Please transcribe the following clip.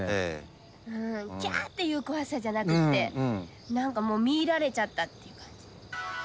きゃーっていう怖さじゃなくて、なんかもう、みいられちゃったっていう感じ。